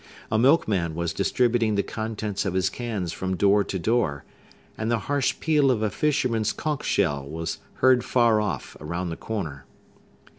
A milkman was distributing the contents of his cans from door to door; and the harsh peal of a fisherman's conch shell was heard far off, around the corner.